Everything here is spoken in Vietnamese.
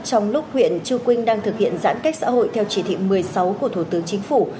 trong lúc huyện chư quynh đang thực hiện giãn cách xã hội theo chỉ thị một mươi sáu của thủ tướng chính phủ